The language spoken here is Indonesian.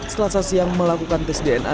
selasa siang melakukan tes dna